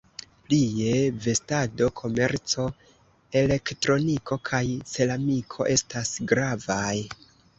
Plie, vestado-komerco, elektroniko kaj ceramiko estas gravaj.